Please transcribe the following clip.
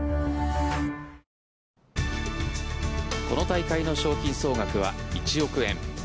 この大会の賞金総額は１億円。